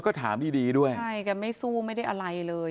ใช่การไม่สู้ไม่ได้อะไรเลย